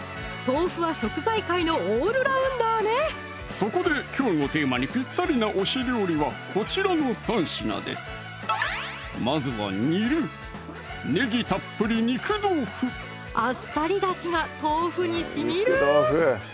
そこできょうのテーマにぴったりな推し料理はこちらの３品ですまずは煮るあっさりだしが豆腐にしみる！